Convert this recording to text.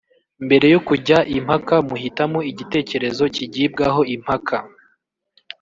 Mbere yo kujya impaka muhitamo igitekerezo kigibwaho impaka.